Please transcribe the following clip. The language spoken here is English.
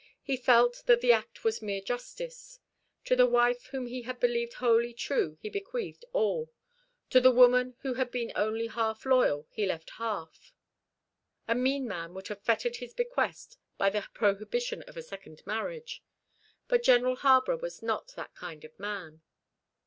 He felt that the act was mere justice. To the wife whom he had believed wholly true he bequeathed all. To the woman who had been only half loyal he left half. A mean man would have fettered his bequest by the prohibition of a second marriage; but General Harborough was not that kind of man.